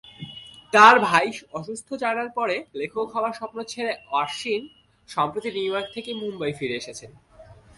তার ভাই অসুস্থ জানার পরে লেখক হওয়ার স্বপ্ন ছেড়ে আশ্বিন সম্প্রতি নিউইয়র্ক থেকে মুম্বাই ফিরে এসেছেন।